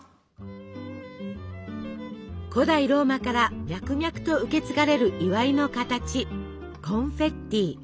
古代ローマから脈々と受け継がれる祝いの形コンフェッティ。